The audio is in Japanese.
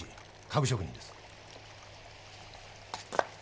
家具職人です。